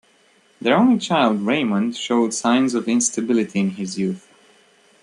Their only child, Raymond, showed signs of instability in his youth.